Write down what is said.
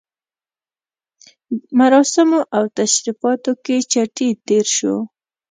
مراسمو او تشریفاتو کې چټي تېر شو.